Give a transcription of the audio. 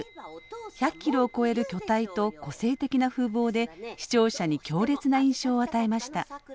１００キロを超える巨体と個性的な風貌で視聴者に強烈な印象を与えました。